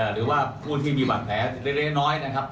หรือว่าผู้ที่มีบาดแผลเล็กน้อยนะครับ